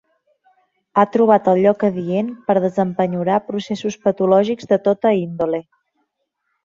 Ha trobat el lloc adient per desempenyorar processos patològics de tota índole.